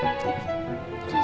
dadah dati mati